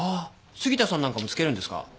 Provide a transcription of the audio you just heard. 杉田さんなんかもつけるんですか？